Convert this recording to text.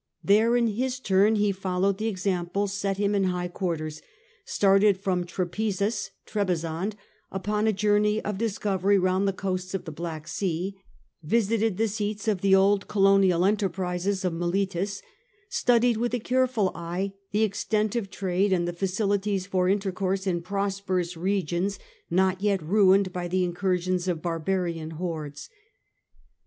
There in his turn he followed the example set him in high quarters, started from Trapezus (Trebizond) upon a journey of discovery round the coasts of the Black Sea, visited the seats of the old colonial enterprises of Miletus, studied with a careful eye the extent of trade and the facilities for intercourse in prosperous I'egions not yet ruined by ffie incursions of barbarian hordes.